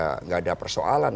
tidak ada persoalan